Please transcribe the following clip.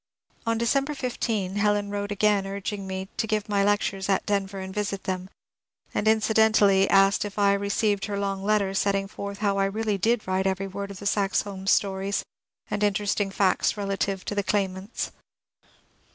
On December 15 Helen wrote again urging me to give my lectures at Denver and visit them, and incidentally ashed if I had received her " long letter setting forth how I really did write every word of the Saxe Holm stories, and interosting facts relative to the * claimants